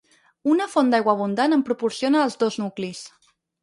Una font d'aigua abundant en proporciona als dos nuclis.